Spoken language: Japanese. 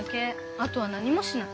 あとは何もしない。